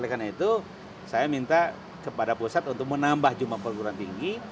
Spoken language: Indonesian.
jadi saya minta kepada pusat untuk menambah jumlah perguruan tinggi